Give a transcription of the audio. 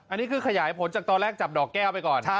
อันนี้คือขยายผลจากตอนแรกจับดอกแก้วไปก่อน